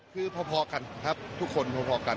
คือพอกันครับทุกคนพอกัน